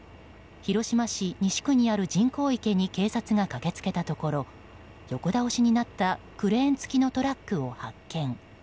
広島市西区にある人工池に警察が駆けつけたところ横倒しになったクレーン付きのトラックを発見。